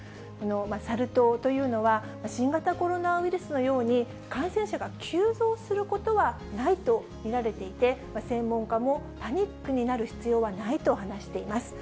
サル痘というのは、新型コロナウイルスのように、感染者が急増することはないと見られていて、専門家もパニックになる必要はないと話しています。